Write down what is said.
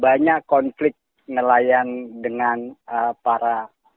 banyak konflik nelayan dengan para